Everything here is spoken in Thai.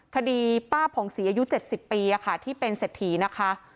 คดีป้าผ่องศรีอายุ๗๐ปีที่เป็นเศรษฐีนะคะ